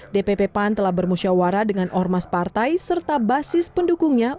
dpp pan telah bermusyawara dengan ormas partai serta basis pendukungnya